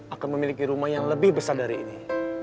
akan memiliki rumah yang lebih besar dari ini